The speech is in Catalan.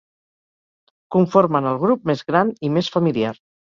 Conformen el grup més gran i més familiar.